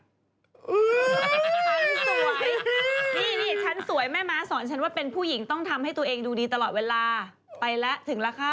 นี่ชั้นสวยแม่ม้าสอนฉันว่าเป็นผู้หญิงต้องทำให้ตัวเองดูดีตลอดเวลา